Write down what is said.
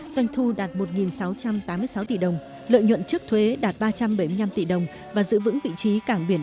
doanh thu đạt một sáu trăm tám mươi sáu tỷ đồng lợi nhuận trước thuế đạt ba trăm bảy mươi năm tỷ đồng và giữ vững vị trí cảng biển